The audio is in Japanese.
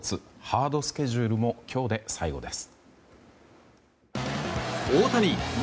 ハードスケジュールも今日で最後です。